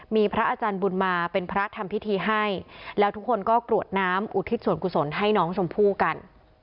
มีพระอาจารย์บุญมาเป็นพระทำพิธีให้แล้วทุกคนก็กรวดน้ำอุทิศส่วนกุศลให้น้องชมพู่กัน